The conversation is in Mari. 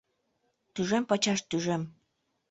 Тӱжем пачаш тӱжем.